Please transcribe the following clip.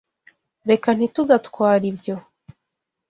Reka ntitugatware ibyo.